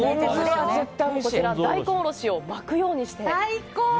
こちら大根おろしを巻くようにして。